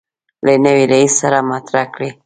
له نوي رئیس سره مطرح کړي.